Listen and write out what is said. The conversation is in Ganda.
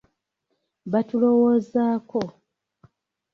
Batulowoozaako